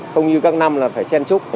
không như các năm là phải chen chúc